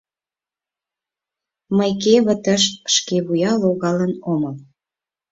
— Мый кевытыш шкевуя логалын омыл.